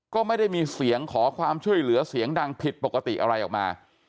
ก็ไม่ได้มีเสียงขอความช่วยเหลือเสียงดังผิดปกติอะไรออกมา